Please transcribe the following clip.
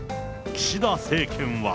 岸田政権は。